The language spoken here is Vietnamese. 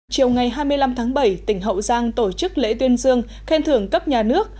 chiều ngày hai mươi năm tháng bảy tỉnh hậu giang tổ chức lễ tuyên dương khen thưởng cấp nhà nước